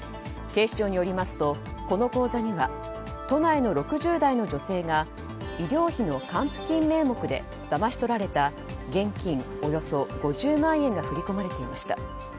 警視庁によりますとこの口座には都内の６０代の女性が医療費の還付金名目でだまし取られた現金およそ５０万円が振り込まれていました。